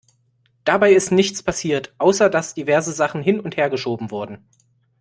Dabei ist nichts passiert, außer dass diverse Sachen hin- und hergeschoben wurden.